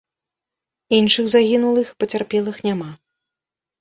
Іншых загінулых і пацярпелых няма.